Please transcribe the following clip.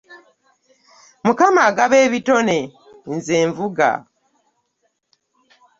Mukama agaba ebitone, nze nvuga.